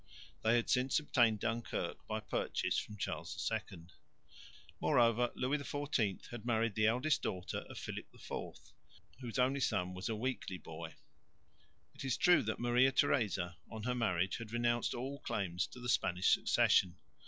They had since obtained Dunkirk by purchase from Charles II. Moreover Louis XIV had married the eldest daughter of Philip IV, whose only son was a weakly boy. It is true that Maria Theresa, on her marriage, had renounced all claims to the Spanish succession.